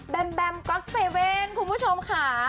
แบมแบมก็อค๗คุณผู้ชมค่ะ